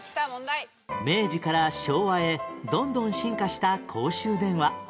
明治から昭和へどんどん進化した公衆電話